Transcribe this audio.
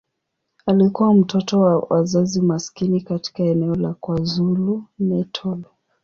Alikuwa mtoto wa wazazi maskini katika eneo la KwaZulu-Natal.